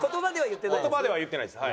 言葉では言ってないです。